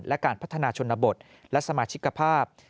และการพัฒนาชนบทและสมาชิกภาพ